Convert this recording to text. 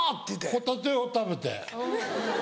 ホタテを食べて。